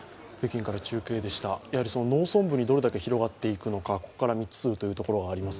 農村部にどれだけ広がっていくのか、未知数というところがあります。